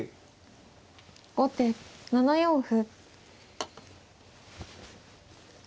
後手７四歩。